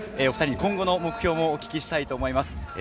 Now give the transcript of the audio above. お２人、今後の目標をお聞きたいと思います。